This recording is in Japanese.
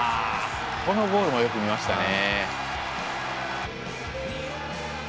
このゴールもよく見ましたね。